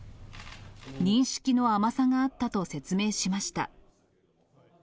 認識の甘さがあったと説明しました。